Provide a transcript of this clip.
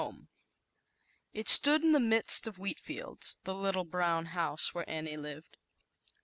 Chapter 1 wind STOOD in the midst of u wheat fields, the little brown 1 .. i . i ouse where Annie lived.